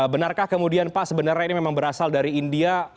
benarkah kemudian pak sebenarnya ini memang berasal dari india